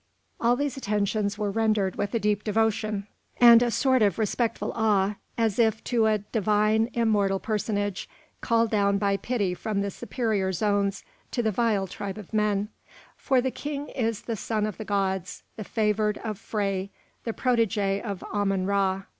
All these attentions were rendered with a deep devotion, and a sort of respectful awe, as if to a divine, immortal personage, called down by pity from the superior zones to the vile tribe of men; for the king is the Son of the gods, the favoured of Phré, the protégé of Ammon Ra.